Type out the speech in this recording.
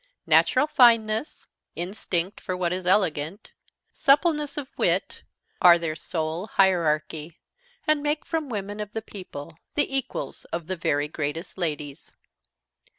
Natural fineness, instinct for what is elegant, suppleness of wit, are the sole hierarchy, and make from women of the people the equals of the very greatest ladies.